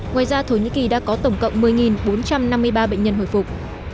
ngoài ra thổ nhĩ kỳ đã có tổng cộng một mươi bốn trăm năm mươi ba bệnh nhân hồi phục